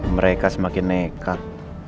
mereka semakin nekat